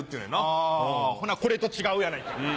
あほなこれと違うやないかい。